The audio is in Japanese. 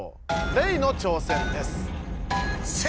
レイの挑戦です。